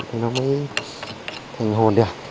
thì nó mới thành hồn được